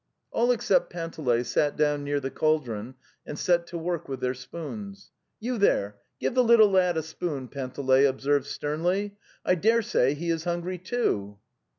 All except Panteley sat down near the cauldron and set to work with their spoons. ~ You there!) Give' the little ladvaspoent Panteley observed sternly. 'I dare say he is hun gry too!"